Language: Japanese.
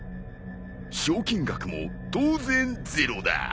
賞金額も当然ゼロだ。